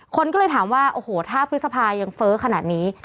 คนก็เลยถามว่าโอ้โหถ้าพฤษภายังเฟ้อขนาดนี้